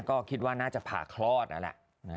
ก็คิดว่าน่าจะผ่าคลอดนั่นแหละ